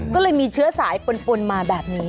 ก็เลยมีเชื้อสายปนมาแบบนี้